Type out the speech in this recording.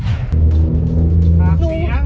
นั่งหน่าเพลง